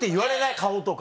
顔とか。